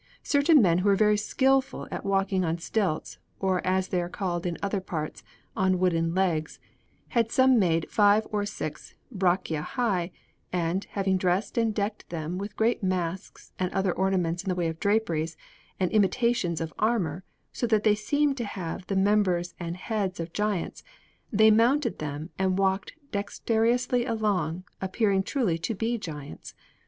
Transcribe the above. Certain men who were very skilful at walking on stilts, or, as they are called in other parts, on wooden legs, had some made five or six braccia high, and, having dressed and decked them with great masks and other ornaments in the way of draperies, and imitations of armour, so that they seemed to have the members and heads of giants, they mounted them and walked dexterously along, appearing truly to be giants.